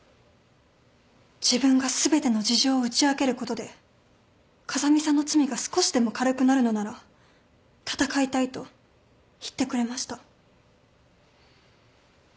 自分が全ての事情を打ち明けることで風見さんの罪が少しでも軽くなるのなら闘いたいと言ってくれました。